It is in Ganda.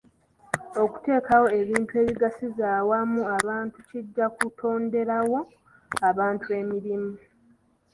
Okuteekawo ebintu ebigasiza awamu abantu kijja kutonderawo abantu emirimu.